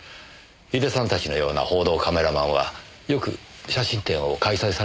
井出さんたちのような報道カメラマンはよく写真展を開催されるのでしょうか？